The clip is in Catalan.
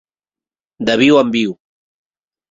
De viu en viu.